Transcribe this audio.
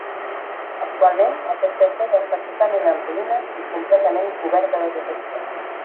Actualment aquest castell està totalment en ruïnes i completament cobert de vegetació.